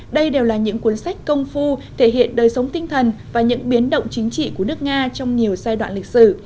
đây đều là những cuốn sách công phu thể hiện đời sống tinh thần và những biến động chính trị của nước nga trong nhiều giai đoạn lịch sử